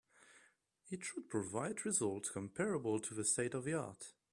It should provided results comparable to the state of the art.